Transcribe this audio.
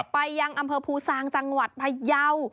ไปยังอำเภอภูซางจังหวัดพยาว